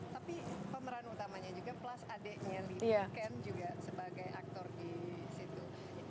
tapi pemeran utamanya juga plus adiknya lili ken juga sebagai aktor di situ